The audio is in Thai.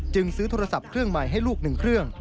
ซื้อโทรศัพท์เครื่องใหม่ให้ลูก๑เครื่อง